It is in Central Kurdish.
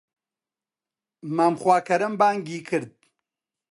مام خواکەرەم بانگی کرد